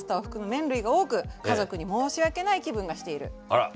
あら。